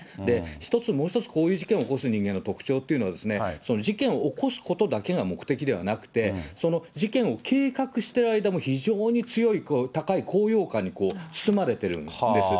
一つ、もう一つ、こういう事件を起こす人間の特徴っていうのは、事件を起こすことだけが目的ではなくて、その事件を計画している間も非常に強い高い高揚感に包まれてるんですね。